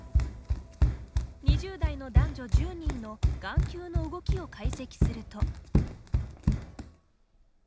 ２０代の男女１０人の眼球の動きを解析すると。